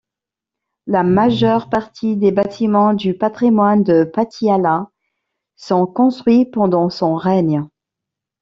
La majeure partie des bâtiments du patrimoine de Patiala sont construits pendant son règne.